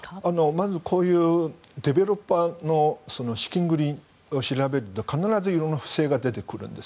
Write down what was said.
まず、こういうディベロッパーの資金繰りを調べると必ず色んな不正が出てくるんです。